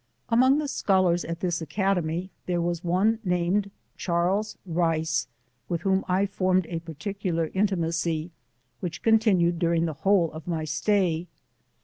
Among the scholars at this academy, there was one named Charles Rice, with whom I formed a particular intimacy, which continued during the whole of my stay.